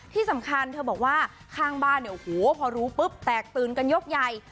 ที่สำคัญเธอบอกว่าข้างบ้านเนี่ยโอ้โหพอรู้ปุ๊บแตกตื่นกันยกใหญ่